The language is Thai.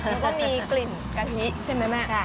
มันก็มีกลิ่นกะทิใช่ไหมแม่